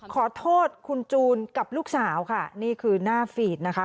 ขอโทษคุณจูนกับลูกสาวค่ะนี่คือหน้าฟีดนะคะ